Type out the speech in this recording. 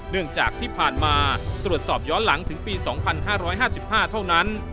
เนื่องจากที่ผ่านมาตรวจสอบย้อนหลังถึงปี๒๕๕๕เท่านั้น